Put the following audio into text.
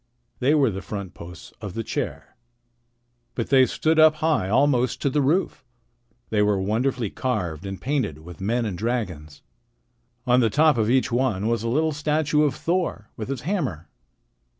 They were the front posts of the chair. But they stood up high, almost to the roof. They were wonderfully carved and painted with men and dragons. On the top of each one was a little statue of Thor with his hammer.